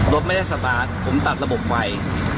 รถไม่ได้สะดาดผมตัดระบบไฟ